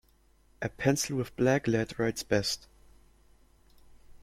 A pencil with black lead writes best.